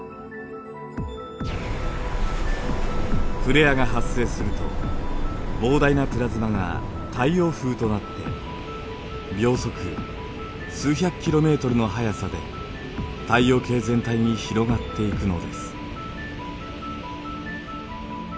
フレアが発生すると膨大なプラズマが太陽風となって秒速数百キロメートルの速さで太陽系全体に広がっていくのです。